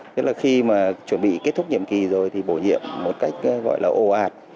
tức là khi mà chuẩn bị kết thúc nhiệm kỳ rồi thì bổ nhiệm một cách gọi là ồ ạt